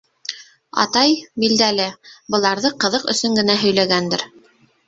Атай, билдәле, быларҙы ҡыҙыҡ өсөн генә һөйләгәндер.